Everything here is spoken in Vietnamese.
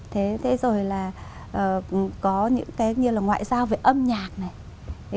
thế rồi là có những cái như là ngoại giao về âm nhạc này